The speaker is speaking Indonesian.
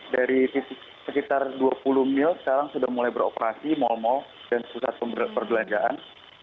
dari titik sekitar dua puluh mil sekarang sudah mulai beroperasi mal mal dan pusat perbelanjaan